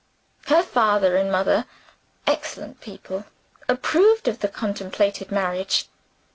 Her father and mother (excellent people) approved of the contemplated marriage.